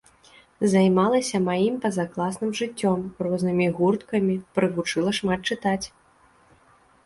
Займалася маім пазакласным жыццём, рознымі гурткамі, прывучыла шмат чытаць.